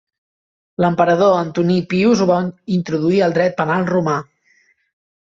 L'emperador Antoní Pius ho va introduir al dret penal romà.